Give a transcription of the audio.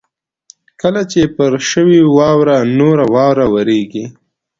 کله چې پر شوې واوره نوره واوره ورېږي.